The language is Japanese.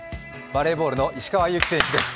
バレーボールの石川祐希選手です。